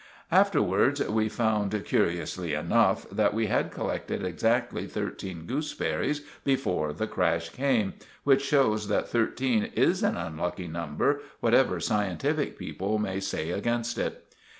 Afterwards we found, curiously enough, that we had collected exactly thirteen gooseberries before the crash came, which shows that thirteen is an unlucky number, whatever scientific people may say against it.